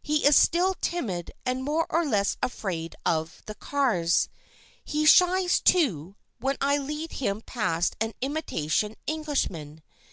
He is still timid and more or less afraid of the cars. He shies, too, when I lead him past an imitation Englishman.